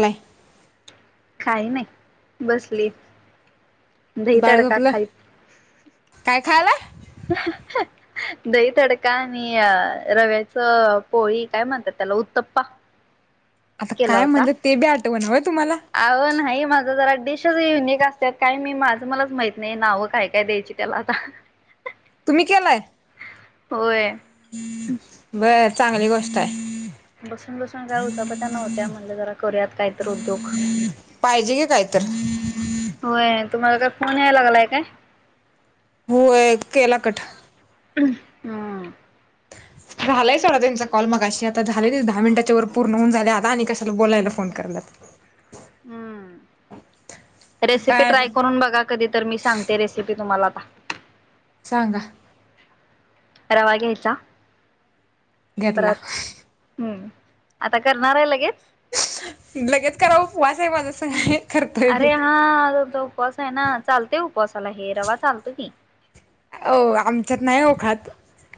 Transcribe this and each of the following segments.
नाही. काही नाही बसली. दही बाळ तडका झोपलं? खाईत काय खायलय. हम. दही तडका, आणि रव्याच पोळी, काय म्हणतात त्याला उत्तप्पा. आता काय म्हणलं तेबी आठवना व्हय तुम्हाला. आवो नाही, माझं जरा डिशेच युनिक असतात, काय मी माझं मलाच माहीत नाही, नावं काय-काय द्यायची त्याला आता. हा. तुम्ही केलाय, होय बर चांगली गोष्ट आहे. बसून-बसून काय उचापत नव्हत्या, म्हणल जरा करूयात काहीतर उद्योग. पाहिजे की काय तर. होय तुम्हाला काय फोन यायला लागलाय काय. होय केला कट हम्म. झालाय सोडा त्यांचा कॉल मगाशी, आता झाले दहा मिनटच्या वर पूर्ण होऊन झाले, आता आणि कशाला बोलायला फोन कराल्यात. हम्म रेसिपी काय ट्राय तर करून बघा कधी तर, मी सांगते रेसिपी तुम्हाला आता सांगा. रवा घ्यायचा, घेतला परत हम्म आता करणार आहे लगेच. लगेच करा उपवास आहे माझा. करतोय अरे मी हा आमचा उपवास आहे ना, चालते उपवासाला हे रवा चालतोय की. अ-आमच्यात नाही ओ खात.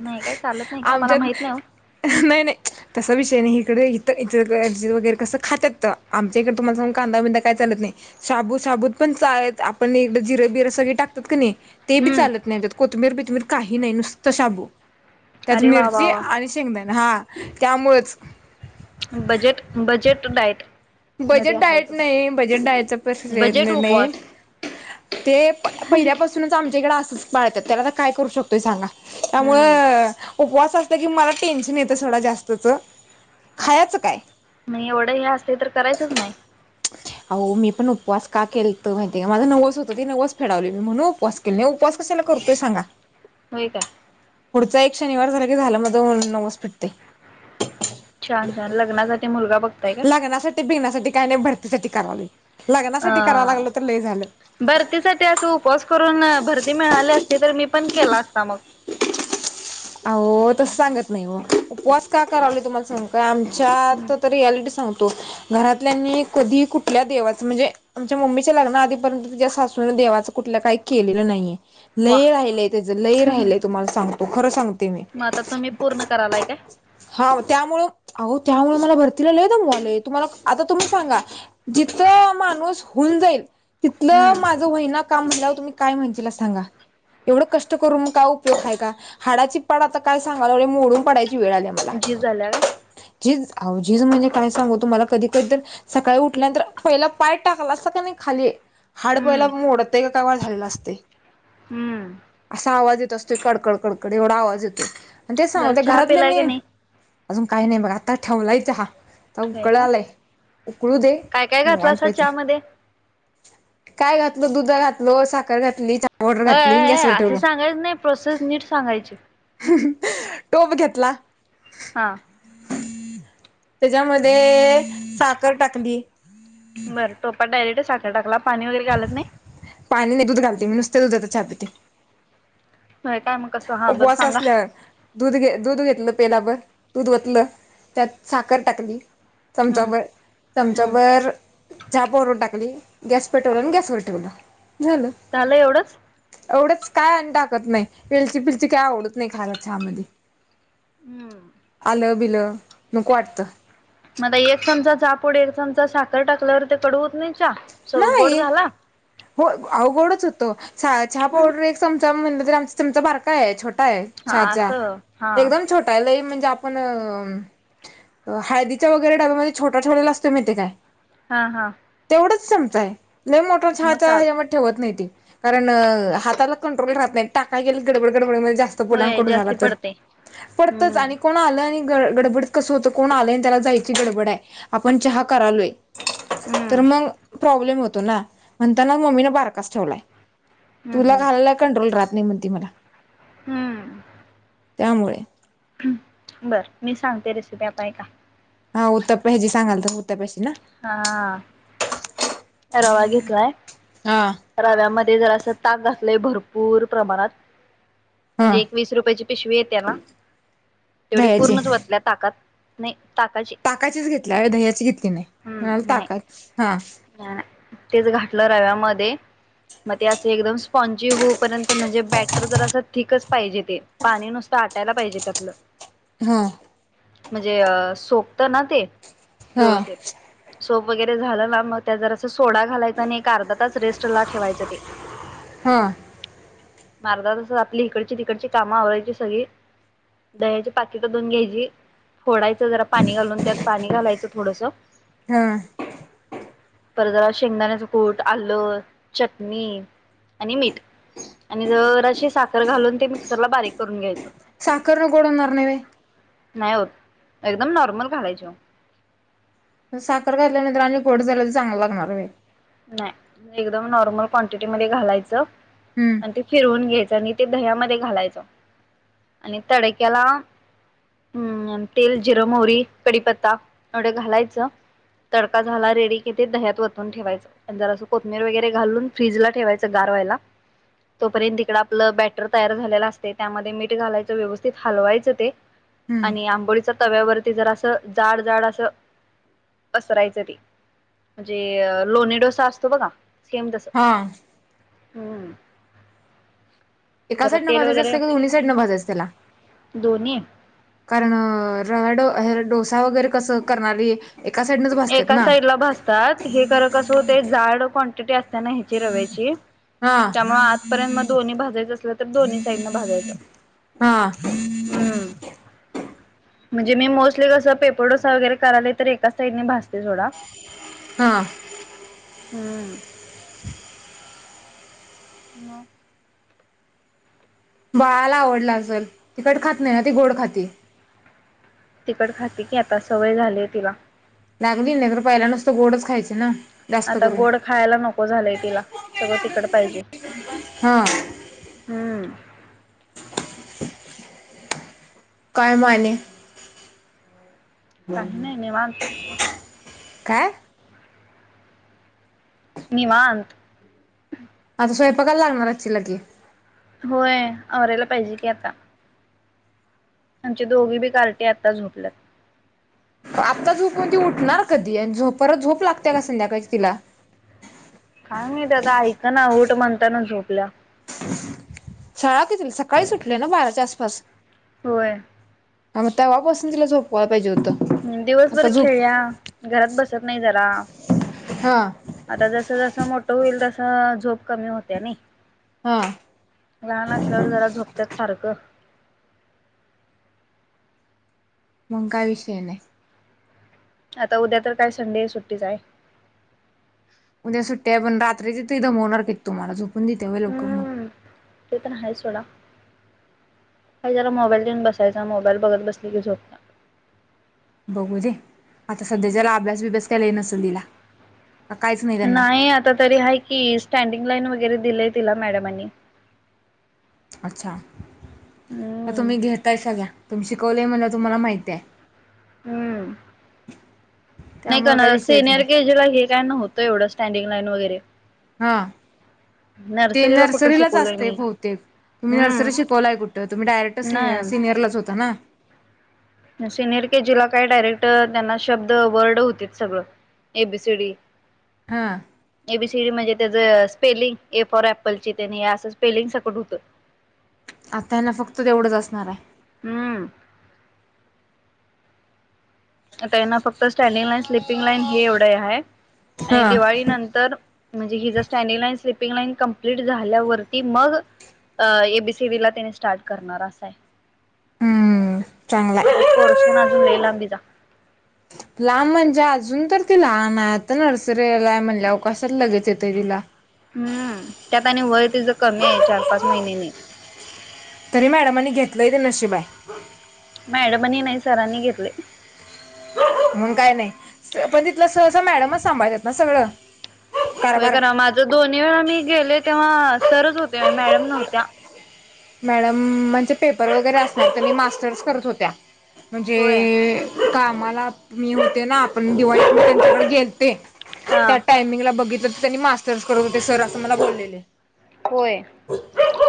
नाही काय चालत नाही का मला आमच्यात माहित नाहीओ नाही नाही. तसा विषय नाही इकडे इथं इ वगैरे कसं खात्यात तर आमच्या इकडे तुम्हाला सांगू काय कांदा बिंदा काय चालत नाही. साबूत साबूत पण चा आहेत आपण एकडें जिरे बिरं सगळे टाकतात का नाही ते बी हम्म चालत नाही त्यात, कोथंबीर बिथमीर काही नाही नुसत शाबू त्यात अरे वा वा मिरची वा. आणि शेंगदाणा हा त्यामुळेच budget budget diet budget diet नाही बजेट डायटचा प्रश्न बजेट येते नाही. उपवास. ते पहिल्यापासून पहिल्यापासूनच आमच्याकडे असेच पालत्यात त्याला काय करू शकते सांगा? हम्म उपवास असल की मला टेन्शन येतं सडा जास्तचं खायचं काय? नाही एवढं हे असते तर करायचच नाही. अहो मी पण उपवास का केलत माहितीय का? माझं नवस होतं ते नवस फेडवले मी म्हणून उपवास लय उपवास कशाला करतोय सांगा? होय का? पुढचा एक शनिवार झालं कि माझा नवस फिटते. छान छान लग्नासाठी मुलगा बघत लग्नासाठी बिग्नासाठी काही नाही भरतीसाठी करायलो अ लग्नासाठी कराव लागलं तर ल झाल भरतीसाठी असं उपवास करून भरती मिळाली असती, तर मी पण केला असता मग. अहो तस सांगत नाही ओ उपवास का करावले तुम्हाला सांगते का आमच्या तर तर रियालिटी सांगतो घरातल्यांनी कधी कुठल्या देवाचं म्हणजे आमच्या मम्मीच्या लग्न आधीपर्यंत ति्च्या सासूंन देवाचं कुठलं काही केलेलं नाहीय. वा लय राहिलय त्याच लय राहिलय तुम्हाला सांगतो खरं सांगते मी मग आता तुम्ही पूर्ण करायलाय काय? अहो त्यामुळे अहो त्यामुळे मला भरतीला लय दमवाले तुम्हाला आता तुम्ही सांगा जिथं माणूस होऊन जाईल तिथल मा हम्म माझ वहिना काम म्हनल्यावर तुम्ही काय म्हणती सांगा? एवढं कष्ट करून मग काय उपयोग आहेय का हाडाची पाड आता काय सांगाल एढे मोडून पडायची वेळ आलीया झिज झाल्या का? झीज! अहो झीज म्हणजे काय सांगू तुम्हाला कधी कधीतर सकाळी उठल्यानंतर पहिला पाय टाकला असता का नाही खाली हाड पयला हम्म मोडतायका का काय वा झालेला असते. हम्म. असा आवाज येत असतो कडकड कडकड एवढा आवाज येतोय आणि ते सांग जरा त्या चहा पिलाय की घरातल्यानीं नाही अजून काही नाही बघा आता ठेवलाय चहा आता होय उकळा काय आलाय उकळू दे काय काय घातलं निवांत असा प्यायचं चहा मध्ये काय घातलं दुध घातल साखर घातली चहा पावडर अय घातली आय गॅसवर असे ठेवलं सांगायच नाही प्रोसेस नीट सांगायची. टोप घेतला. हा. त्याच्यामध्ये साखर टाकली बरं टोपा डायरेक्ट साखर टाकला पाणी वगैरे घालत नाही? पाणी नाही दुध घालते, मी नुसता दुधाचा चहा पिते. हो काय मग कसं? हा बरं उपवास सांगा असल्यावर दूध घे दूध घेतलं पेलाभर, दूध वतलं त्यात साखर टाकली. हम्म चमचाभर हम्म चमचाभर चहा पावडर टाकली गॅस पेटवला आणि गॅसवर ठेवल झालं एवढंच? एवढंच काय आणि टाकत नाही वेलची बिलची काय आवडत नाही खायला चहामध्ये हम्म आलं बिलं नको वाटतं मला एक चमचाचापूड एक चमचा साखर टाकल्यावर ते कडवत नाही स गोड नाही झाला हो अवघोडच होतो. चहा चहा हम्म पावडर एक चमचा म्हणलं तरी आमचा चमचा बारका आहे छोटा आहे. हा छछ असं हा एकदम छोट त्याला म्हणजे आपण अ हळदीच्या वगैरे डब्यामध्ये छोटा ठेवलेला असतो माहिते काय? हा हा. तेवढंच चमचा आहे ललेम मोटरस हा मग चार चालते हमुळे ठेवत नाही. कारण हाताला कंट्रोल राहत नाही टाका गेले गडबड गडबडीमध्ये जास्त होय लांकड झाला जास्ती तर पडते पडतच हम्म आणि कोण आ. गडबड कस होत कोण आलंय त्याला जायची गडबड आहे आपण चहा करालोय. हम्म तर मग प्रॉब्लेम होतो ना म्हणताना मम्मीने बारकास ठेवलाय हम्म तुला हम्म घाला कंट्रोल राह नाही म्हण तती मला हम्म. त्यामुळे बर मी सांगते रेसिपी आपय का? हा उतप्याजी सांगाल तर उतप्याशी ना. हा रवा घेतलाय हा रव्यामध्ये जर असं ताक घातलंय भरपूर प्रमाणात हा म्हणजे एक वीस रुपयाची पिशवी येते ना तेवढी दह्याची पूर्णच वतल्या ताकात नाही ताकाची ताकाचीच घेतल्या ह दह्याची घेतली नाही हम्म नाही ताकात हा. तेच घाटलं रव्यामध्ये मग ते असे एकदम स्पॉन्जी होऊपर्यंत म्हणजे बॅटर तर असं थिकच पाहिजे ते पाणी नुसतं आटायला पाहिजेत आपलं. हा. म्हणजे अ सोपत ना ते हा व्यवस्थित सोप वगैरे झालं ना मग त्या जर अस सोडा घालायचं आणि एक अर्धा तास रेस्ट ला ठेवायचं ते हां. मग अर्धा तासात आपली इकडची तिकडची काम आवरायची सगळी दह्याची पाकिट धुवून घ्यायची फोडायचं जरा पाणी घालून त्यात पाणी घालायचं थोडस हा. परत आणि शेंगदाण्याचं कूट आलं चटणी आणि मीठ आणि जराशी साखर घालून ते मिक्सरला बारीक करून घ्यायचं. सखरन कडंना अणारव [inaudible] नाही होत एकदम नॉर्मल घालायच. साखर घातल्यानंतर आणि गोड झाल्या तर चांगला लागणार आहे. नाही एकदम नॉर्मल क्वांटिटी मध्ये घालायचं. हम्म. आणि ते फिरवून घ्यायच आणि ते दह्यामध्ये घालायचं आणि तडक्याला हम्म तेल जिरं मोरी कडीपत्ता एवढे घालायचं. तडका झाला रेडी घेते दह्यात वतून ठेवायच. नर असं कोथबीर वगैरे घालून फ्रीज ला ठेवायचं गारवायला तोपर्यंत तिकड आपलं बॅटर तयार झालेलं असते त्यामध्ये मीठ घालायचं व्यवस्थित हलवायचं ते हम्म आणि आंबोळीच्या तव्यावरती जर असं जाड जाड असं पसरायचं ते. म्हणजे लोणी डोसा असतो बघा सेम तस हा. हम्म. एका जरा साईड ने तेल भाजायचं वगैरे असतें कि दोन्ही साईड ने भाजायचं त्याला दोन्ही कारण राव डोसा वगैरे कसं करणारी एका साईड ने एका साइड ला भासतात हे खरं कसं होते जाड क्वांटिटी असताना ह्याची रव्याची हा त्यामुळे आतापर्यंत मग दोन्ही भाजायचं असलं तर दोन्ही साईडन भाजायचं हा हम्म म्हणजे मी मोस्टली कस पेपरडोसा वगैरे कराल तर एका साईडने भाजते थोडा हा हम्म मग बाळाला आवडला असल तिखट खात नाही ना ती गोड खाती तिकड खाते की आता सवय झालीये तिला लागली नाही तर पहिला नुसतं गोडच खायचे ना जास्त आता करून गोड खायला नको झालंय तिला सगळं तिकड पाहिजे हा हम्म काय माने काही नाही निवांत काय निवाांत आता स्वयंपाकायला लागणार चिलागी होय आवरायला पाहिजे की आता आमचे दोघी बी कार्टी आता झोपलेत आत्ता झोपून ती उठणार कधी आणि झोप परत झोप लागते का संध्याकाळ तिला काय माहित आता ऐकेना ऊठ म्हणताना झोपल्या शाळा किती सकाळी सुटते ना बाराच्या आसपास होय हा मग तेव्हापासून तिला झोपवायला पाहिजे होतं आता दिवसभर झोप खेळल्या घरात बसत नाही जरा हा आता जस जसं मोठं होईल तस झोप कमी होते नाही हां लहान असल्यावर जरा झोपत्यात सारखं मग काय विषय नाही आता उद्या तर काय संडे सुट्टीचा आहे उ्या सुट्ट्या आहे पण रात्री त एकदम मोनर करेत तुम्हाला झोपून देते वय लवकर मग हम्म ते पण आहेा सोडा काही जरा मोबाईल देऊन बसायचा मोबाईल बघत बस की झोप बघू दे आता सध्याच्याला अभ्यास बभ्यास केयला नसल तिला नाही आता तरी आहे की स्टँडिंग लाईन वगैरे दिलंय तिला मॅडमनी अच्छा हम्म तुम्ही घेताय सगळ्या तुम् शिकवलेय म्हण तुम्हाला माहिती आहे हम्म नाही त्यामुळे काही काणार विषयच सेनियर नाही घज लागेल का होत एवढं स्टँडिंग लाईन वगैरे हा ते नर्सरीला कुठं नर्सरीलाच शिकवलंय असते मी बहुतेक तुम्ही हम्म नर्सरी शिकवलाय कुठं तुम्ही डायरेक्ट नाही सिनियरलाच होता ना सिनिर के जी ला काय डायरेक्ट त्यांना शब्द वर्ड होती सगळं ए बी सी डी हां ए बीसीडी म्हणजे त्याचं स्पेलिंग ए फॉर ऍपलची त्यानी असं स्पेलिंग सकट होतं आता त्यांना फक्त तेवढंच असणार आहे हम्म ता त्यांना फक्त स्टँडिंग लाईन स्लिपिंग लाईन हे एवढं आहे आणि हा दिवाळी नंतर म्हणजे हि जर standing line sleeping line complete झाल्यावरती मग अ एबीसी वी ला त्याने स्टार्ट करणार असा आहे हम्म चांगला पोरशन अजून लई लांबिचा लांब म्हणजे अजून तर ती लहान आहे आता नर्सरीलाय म्हणल्या काशाल लगेच येतं तिला हम्म त्यात आणि वय तिच कमी आहे चार पाच महिन्याने तरी मॅडमांनी घेतलंय ते नशिबाय मॅडमनी नाही सरांनी घेतले म्हणून काय नाही पण तिथलं सहसा मॅडमच संभाळतात आहेत ना सगळं होय कारभार करा माझं दोन्ही वेळा मी गेले तेव्हा सरच होते मॅडम नव्हत्या मॅडम म्हणजे पेपर वगैरे असणार तर मी मास्टर्स करत होत्या म्हणजे होय कामाला मी होते ना आपण दिवाळीस मी त्यांच्या गेलते हा त्या टायमिंगला बघितलं तर त्यांनी मास्टर्स करत होते सर असं मला बोललेले होय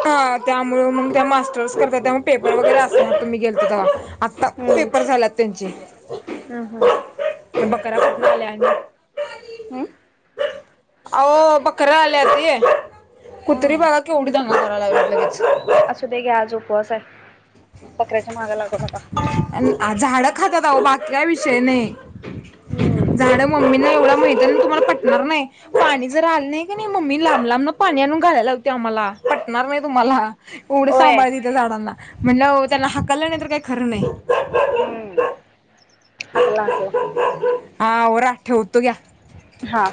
हा त्यामुळे मग त्या मास्टर्स करतात त्यामुळे पेपर वगैरे असे तुम्ही गेलता तवा आता हम्म पेपर झालात त्यांचे हम्म हम्म बकरा पटणा हम्म अह बकरा आल्या तय कुत्री हम्म बघा केवढी दंगा करा लागली लगेच ह असु दे घ्या आज उपवास आहे बकऱ्याच्या माग लागू नका. झाड खात्यात बाकी काय विषय नाही हम्म झाडं मम्मीना एवढा माहती ना तुम्हाला पटणार नाही पाणी जर आले नाही की नाही मम्मी लांब लांब ना पाणी आणून घालायलावते आम्हाला पटणार नाही तुम्हाला एवढं होय सांभाळ त झाडांना म्हणलं त्यांना हाकाललं नाही तर काही खरं नाही हकला हकला हा आवरा ठेवतो घ्या हां